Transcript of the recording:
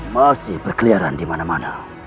masih berkeliaran di mana mana